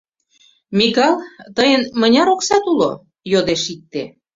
— Микал, тыйын мыняр оксат уло? — йодеш икте.